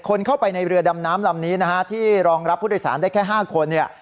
คนเข้าไปในเรือดำน้ำลำนี้นะฮะที่รองรับผู้โดยสารได้แค่๕คนเนี่ย